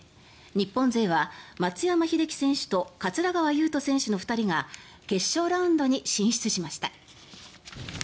日本勢は松山英樹選手と桂川有人選手の２人が決勝ラウンドに進出しました。